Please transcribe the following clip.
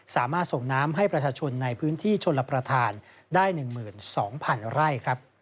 สามารถส่งน้ำให้ประชาชนในพื้นที่ชนรับประทานได้๑๒๐๐๐ไร่